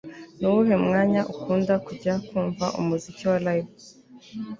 Nuwuhe mwanya ukunda kujya kumva umuziki wa Live